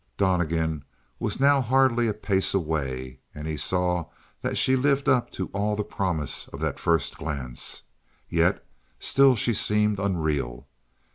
Donnegan was now hardly a pace away; and he saw that she lived up to all the promise of that first glance. Yet still she seemed unreal.